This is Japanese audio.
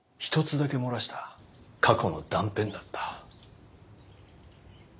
一つだけ漏らした過去の断片だった。